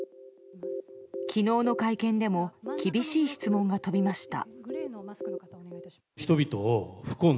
昨日の会見でも厳しい質問が飛びました。